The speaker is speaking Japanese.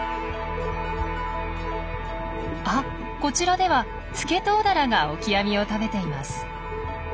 あこちらではスケトウダラがオキアミを食べています。